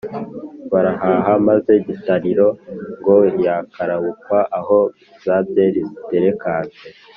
barahaha maze gitariro ngo yakarabukwa aho za byeri ziterekanze